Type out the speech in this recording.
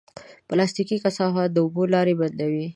پلاستيکي کثافات د اوبو لارې بندوي.